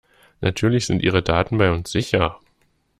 Natürlich sind ihre Daten bei uns sicher!